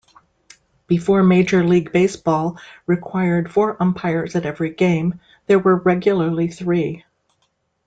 Before Major League Baseball required four umpires at every game, there were regularly three.